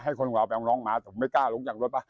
ให้คนของเราไปเอาน้องมาแต่ผมไม่กล้าลงจากรถ